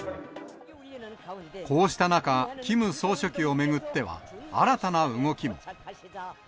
こうした中、キム総書記を巡っては、新たな動きも。